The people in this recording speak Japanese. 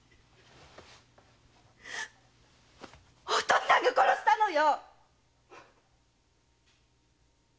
お父っつぁんが殺したのよ！